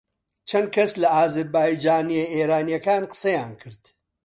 چەند کەس لە ئازەربایجانییە ئێرانییەکان قسەیان کرد